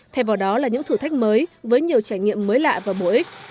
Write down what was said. thay vào đó là những thử thách mới với nhiều trải nghiệm mới lạ và bổ ích